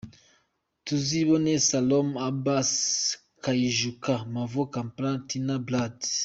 Tazibone Solomon Abbas Kaijuka Mavo Kampala Tinah Brad.